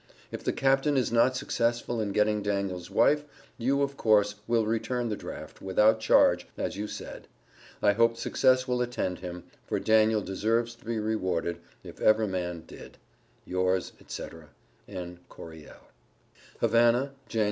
If the Captain is not successful in getting Daniel's wife, you, of course, will return the draft, without charge, as you said. I hope success will attend him, for Daniel deserves to be rewarded, if ever man did. Yours, &c. N. CORYELL. HAVANA, Jan.